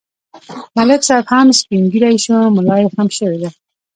ملک صاحب هم سپین ږیری شو، ملایې خم شوې ده.